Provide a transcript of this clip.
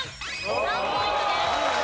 ３ポイントです。